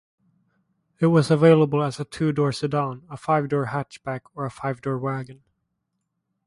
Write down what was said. It was available as a two-door sedan, a five-door hatchback, or a five-door wagon.